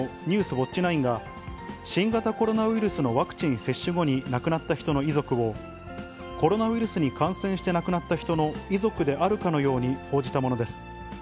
ウオッチ９が新型コロナウイルスのワクチン接種後に亡くなった人の遺族を、コロナウイルスに感染して亡くなった人の遺族であるかのように報じたものです。